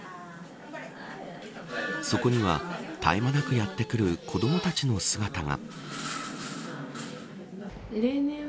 そこには、絶え間なくやって来る子どもたちの姿が。